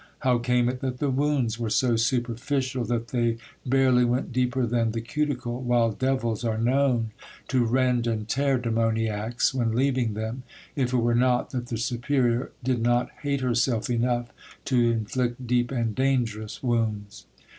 How came it that the wounds were so superficial that they barely went deeper than the cuticle, while devils are known to rend and tear demoniacs when leaving them, if it were not that the superior did not hate herself enough to inflict deep and dangerous wounds?"